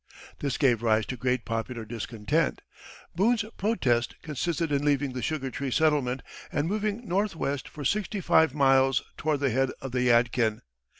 This gave rise to great popular discontent. Boone's protest consisted in leaving the Sugar Tree settlement and moving northwest for sixty five miles toward the head of the Yadkin.